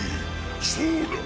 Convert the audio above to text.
そうだ！